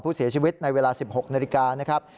เสียชีวิตในเวลา๑๖นาฬิกานะครับ